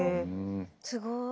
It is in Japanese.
すごい。